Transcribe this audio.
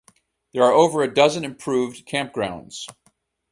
There are over a dozen improved campgrounds.